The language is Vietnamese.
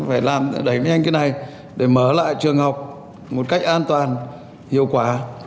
phải đẩy nhanh cái này để mở lại trường học một cách an toàn hiệu quả